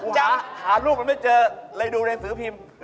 จ๊ะหาลูกมันไม่เจอเลยดูหนังสือพิมพ์